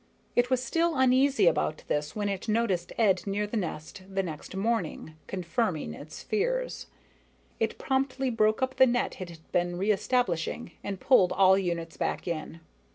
It was still uneasy about this when it noticed Ed near the nest the next morning, confirming its fears. It promptly broke up the net it had been re establishing and pulled all units back in.